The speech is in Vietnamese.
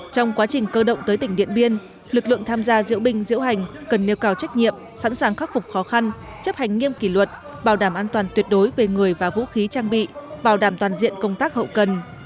trong quá trình cơ động tới tỉnh điện biên lực lượng tham gia diễu binh diễu hành cần nêu cao trách nhiệm sẵn sàng khắc phục khó khăn chấp hành nghiêm kỷ luật bảo đảm an toàn tuyệt đối về người và vũ khí trang bị bảo đảm toàn diện công tác hậu cần